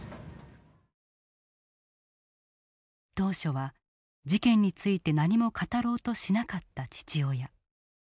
当初は事件について何も語ろうとしなかった父親。